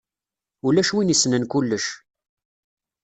Ulac win issnen kullec.